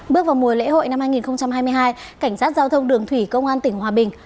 bước vào mùa lễ hội năm hai nghìn hai mươi hai cảnh sát giao thông đường thủy công an tỉnh hòa bình